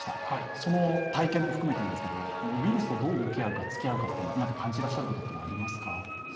その体験も含めて、ウイルスとどう向き合うか、つきあうか、何か感じてらっしゃることはありますか？